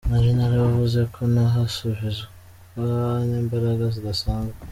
Nari naravuze ko nahasubizwa n’imbaraga zidasanzwe.